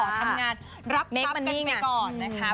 ทำงานรับทรัพย์กันไปก่อนนะคะ